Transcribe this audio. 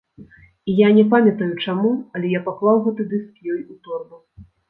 І я не памятаю чаму, але я паклаў гэты дыск ёй у торбу.